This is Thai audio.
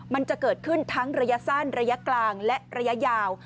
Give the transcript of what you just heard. มันจะเกิดขึ้นทั้งระยะสั้นระยะกลางและระยะยาว